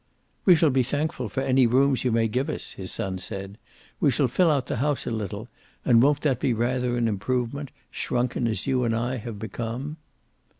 "We shall be thankful for any rooms you may give us," his son said. "We shall fill out the house a little, and won't that be rather an improvement, shrunken as you and I have become?"